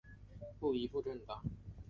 不依附政党！